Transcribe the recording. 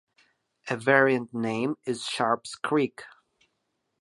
A variant name is "Sharps Creek".